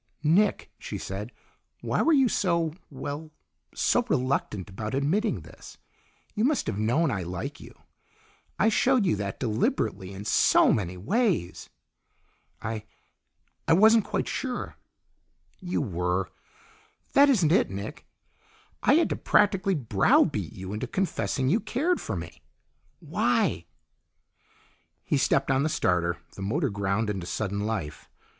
"Nick," she said, "why were you so well, so reluctant about admitting this? You must have known I like you. I showed you that deliberately in so many ways." "I I wasn't quite sure." "You were! That isn't it, Nick. I had to practically browbeat you into confessing you cared for me. Why?" He stepped on the starter; the motor ground into sudden life.